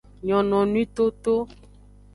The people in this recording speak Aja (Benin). Nyononwi toto.